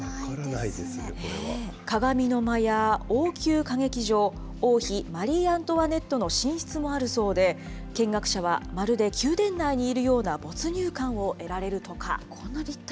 鏡の間や王宮歌劇場、王妃マリー・アントワネットの寝室もあるそうで、見学者はまるで宮殿内にいるような没入感を得られるとか。